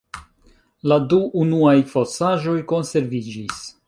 La du unuaj fosaĵoj konserviĝis.